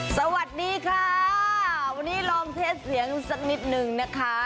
สวัสดีค่ะวันนี้ลองเทสเสียงสักนิดนึงนะคะ